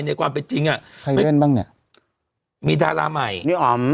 ในความเป็นจริงอ่ะใครเล่นบ้างเนี้ยมีดาราใหม่พี่อ๋อม